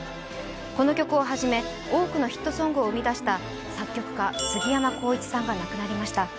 この曲をはじめ多くのヒットソングを生み出した作曲家、すぎやまこういちさんが亡くなりました。